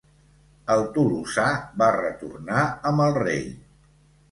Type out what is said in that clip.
El tolosà va retornar amb el rei.